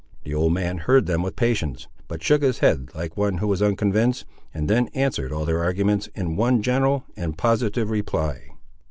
The old man heard them with patience, but shook his head like one who was unconvinced, and then answered all their arguments, in one general and positive reply.